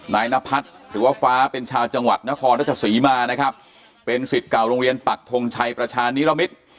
นายนพัฒน์หรือว่าฟ้าเป็นชาวจังหวัดนครรัชศรีมานะครับเป็นสิทธิ์เก่าโรงเรียนปักทงชัยประชานิรมิตร